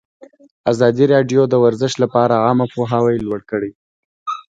ازادي راډیو د ورزش لپاره عامه پوهاوي لوړ کړی.